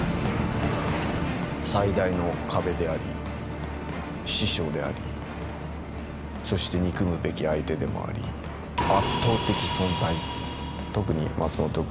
最大の壁であり師匠でありそして憎むべき相手でもありそんな印象ですかね。